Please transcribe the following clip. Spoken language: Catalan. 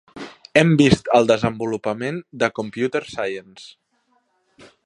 Hem vist el desenvolupament de Computer Science.